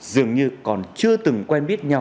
dường như còn chưa từng quen biết nhau